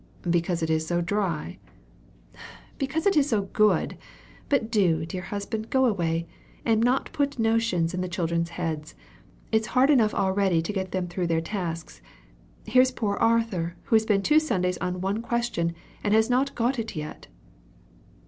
"Because it is so dry?" "Because it is so good. But do, dear husband, go away, and not put notions in the children's heads. It's hard enough already to get them through their tasks. Here's poor Arthur, who has been two Sundays on one question, and has not got it yet."